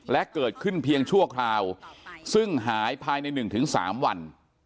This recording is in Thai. และเกิดขึ้นเพียงชั่วคราวซึ่งหายภายใน๑๓วัน